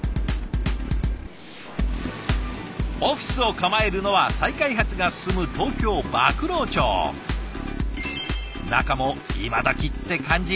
オフィスを構えるのは再開発が進む中も今どきって感じ。